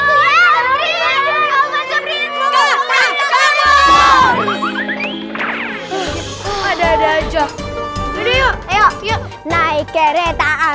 fujiko ada ada jok yuk yuk yuk naik keretaan